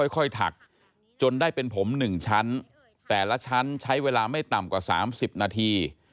ถักจนได้เป็นผม๑ชั้นแต่ละชั้นใช้เวลาไม่ต่ำกว่า๓๐นาที